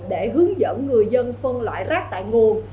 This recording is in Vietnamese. để hướng dẫn người dân phân loại rác tại nguồn